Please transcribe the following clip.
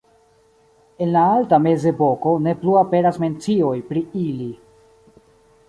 En la Alta Mezepoko ne plu aperas mencioj pri ili.